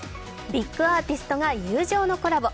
ビッグアーティストが友情のコラボ。